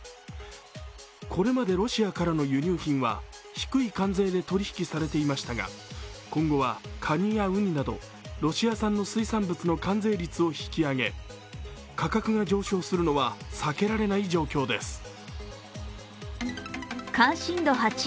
これまでロシアからの輸入品は低い関税で取り引きされていましたが、今後は、かにやうになどロシア産の水産物の関税率を引き上げ、価格が上昇するのは避けられない状況です。